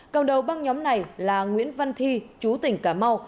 cầm đầu băng nhóm này là nguyễn văn thi chú tỉnh cà mau